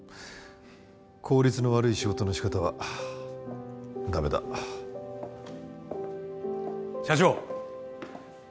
効率の悪い仕事の仕方はダメだ社長